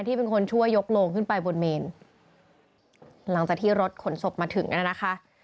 เป็นคนช่วยยกโลงขึ้นไปบนเมนหลังจากที่รถขนศพมาถึงน่ะนะคะ